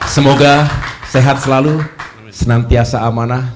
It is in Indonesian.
semoga sehat selalu senantiasa amanah